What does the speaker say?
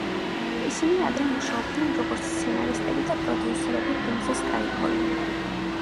ისინი ადრე მუშაობდნენ როგორც სცენარისტები და პროდიუსერები ფილმზე სკაიფოლი.